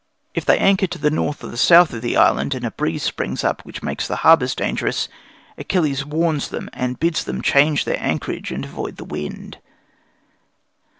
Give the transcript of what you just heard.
If they anchor to the north or the south of the island, and a breeze springs up that makes the harbours dangerous, Achilles warns them, and bids them change their anchorage and avoid the wind.